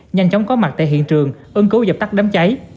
nhanh chóng có mặt tại hiện trường ưng cố dập tắt đám cháy